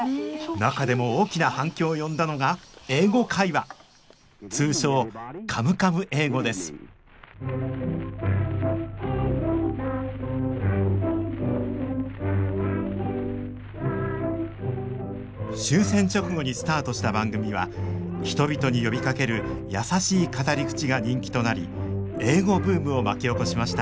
中でも大きな反響を呼んだのが「英語会話」通称「カムカム英語」です終戦直後にスタートした番組は人々に呼びかける優しい語り口が人気となり英語ブームを巻き起こしました